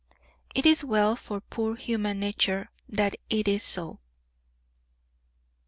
It is well for poor human nature that it is so.